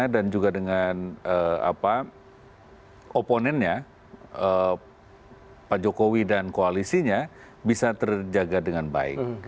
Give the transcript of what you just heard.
dan juga dengan oponennya pak jokowi dan koalisinya bisa terjaga dengan baik